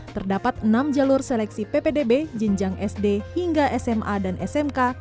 terdapat enam jalur seleksi ppdb jenjang sd hingga sma dan smk